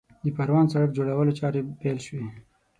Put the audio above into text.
د پروان سړک جوړولو چارې پیل شوې